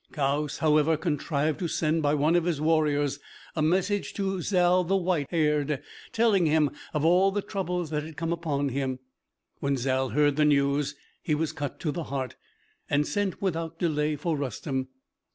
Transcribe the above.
Kaoüs, however, contrived to send by one of his warriors a message to Zal the White haired, telling him of all the troubles that had come upon him. When Zal heard the news he was cut to the heart, and sent without delay for Rustem.